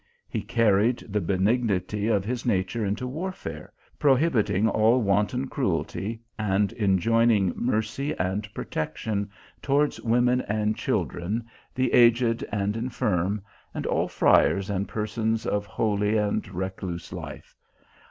He carried the benignity of his nature into warfare, prohibiting all wanton cruelty, and enjoining mercy and protection towards women and children, the aged and infirm, and all friars and per sons of holy and recluse life.